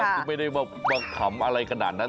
ที่ไม่ได้มาขำอะไรขนาดนั้น